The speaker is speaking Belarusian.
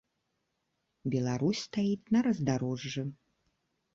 Беларусь стаіць на раздарожжы.